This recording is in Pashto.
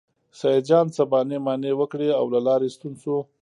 سیدجان څه بانې مانې وکړې او له لارې ستون شو.